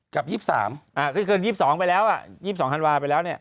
กับ๒๓อ่ะคือ๒๒ไปแล้วอ่ะ๒๒ธันวาว์ไปแล้วเนี่ย